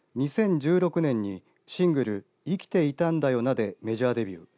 ２０１６年にシングル生きていたんだよなでメジャーデビュー。